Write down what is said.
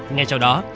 ngay sau đó